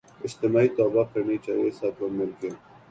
اجتماعی توبہ کرنی چاہیے سب کو مل کے